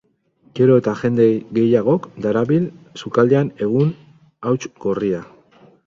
Gero eta jende gehiagok darabil sukaldean egun hauts gorria.